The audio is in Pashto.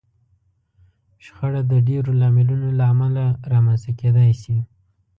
شخړه د ډېرو لاملونو له امله رامنځته کېدای شي.